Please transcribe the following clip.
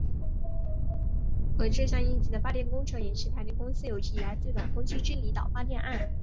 而这项应急的发电工程也是台电公司有史以来最短工期之离岛发电案。